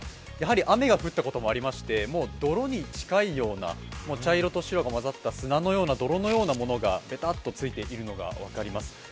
雨が降ったこともありまして、泥に近いような茶色と白が混じった砂のような泥のようなものがべたっとついているのが分かります。